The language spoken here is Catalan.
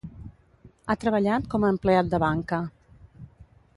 Ha treballat com a empleat de banca.